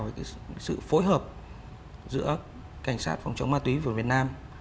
với sự phối hợp giữa cảnh sát phòng chống ma túy của việt nam